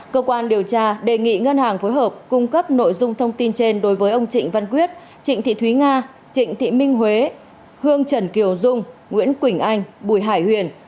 cơ quan điều tra đề nghị ngân hàng phối hợp cung cấp nội dung thông tin trên đối với ông trịnh văn quyết trịnh thị thúy nga trịnh thị minh huế hương trần kiều dung nguyễn quỳnh anh bùi hải huyền